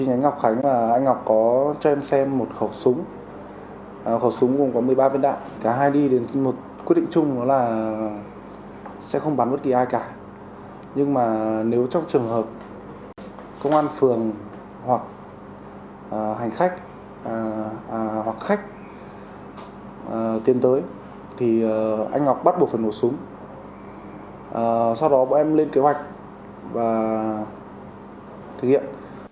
anh ngọc bắt buộc phần nổ súng sau đó bọn em lên kế hoạch và thực hiện